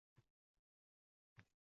Shunda ham hammasi emas